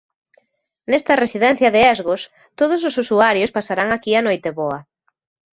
Nesta residencia de Esgos todos os usuarios pasarán aquí a Noiteboa.